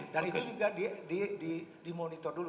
dan itu juga dimonitor dulu